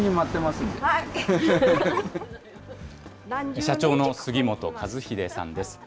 社長の杉本和英さんです。